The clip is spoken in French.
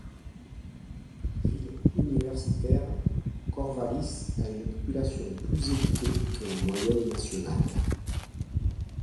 Ville universitaire, Corvallis a une population plus éduquée que la moyenne nationale.